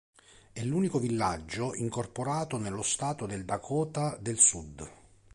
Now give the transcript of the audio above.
È l'unico villaggio incorporato nello stato del Dakota del Sud.